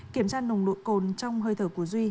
kiểm tra nồng độ cồn trong hơi thở của duy